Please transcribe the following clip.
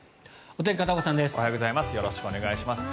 おはようございます。